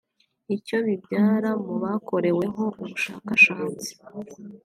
Icyo bibyara mu bakoreweho ubushakatsi